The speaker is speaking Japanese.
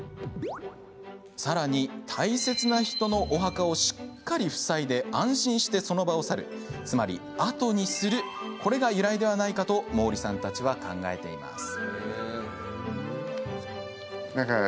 さらに、大切な人のお墓をしっかり塞いで安心してその場を去るつまり、あとにするこれが由来ではないかと毛利さんたちは考えています。